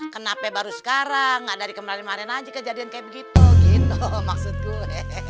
kenapa baru sekarang gak dari kemarin kemarin aja kejadian kayak begitu gitu maksudku